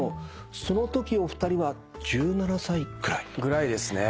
そのときお二人は１７歳ぐらい？ぐらいですね。